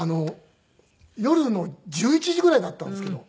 夜の１１時ぐらいだったんですけど。